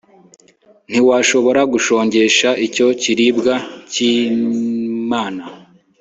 ntiwashobora gushongesha icyo kiribwa cy'imana,